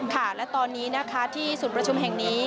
ค่ะและตอนนี้นะคะที่ศูนย์ประชุมแห่งนี้